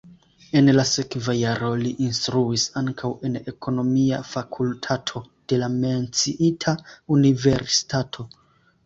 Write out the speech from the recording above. En la sekva jaro li instruis ankaŭ en ekonomia fakultato de la menciita universitato.